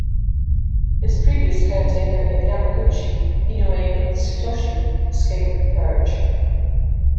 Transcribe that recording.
His previous caretaker in Yamaguchi, Inoue Mitsutoshi, escaped the purge.